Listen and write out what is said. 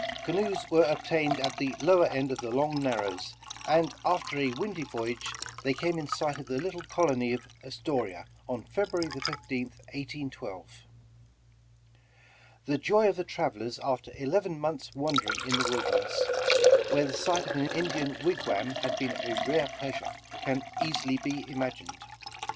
Canoes were obtained at the lowed end of the Long Narrows, and after a windy voyage they came in sight of the little colony of Astoria on February 15th, 1812. The joy of the travelers after eleven mouths' wander ing in the wilderness, where the sight of an Indian wig wam had been a rare pleasure, can easily be imagined.